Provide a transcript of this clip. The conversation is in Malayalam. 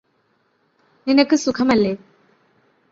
നിനക്ക് സുഖമല്ലേ